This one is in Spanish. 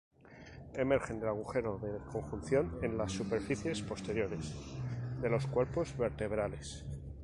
Emergen del agujero de conjunción en las superficies posteriores de los "cuerpos vertebrales".